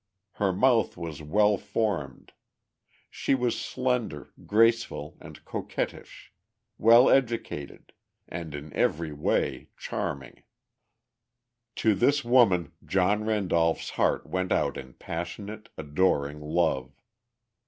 Her mouth was well formed; she was slender, graceful, and coquettish, well educated, and in every way, charming. To this woman, John Randolph's heart went out in passionate, adoring love.